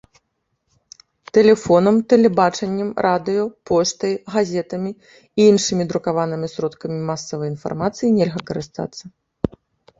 Тэлефонам, тэлебачаннем, радыё, поштай, газетамі і іншымі друкаванымі сродкамі масавай інфармацыі нельга карыстацца.